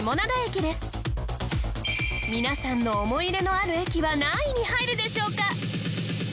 皆さんの思い入れのある駅は何位に入るでしょうか？